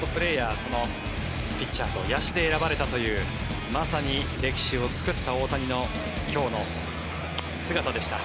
そのピッチャーと野手で選ばれたというまさに歴史を作った大谷の今日の姿でした。